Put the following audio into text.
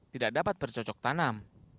tidak dapat bercocok tanam